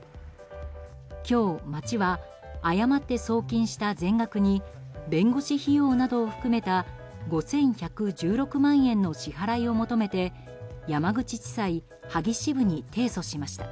今日、町は誤って送金した全額に弁護士費用などを含めた５１１６万円の支払いを求めて山口地裁萩支部に提訴しました。